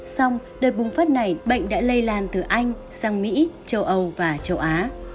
xong đợt bùng phát này bệnh đã lây lan từ anh sang mỹ châu âu và châu á